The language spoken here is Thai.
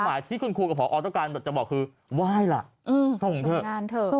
คำว่าที่คุณครูกับพอต้นการจะบอกคือไหว้ล่ะส่งเถอะ